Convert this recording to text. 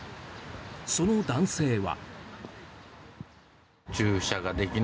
その男性は。